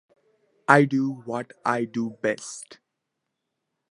I do what I do best.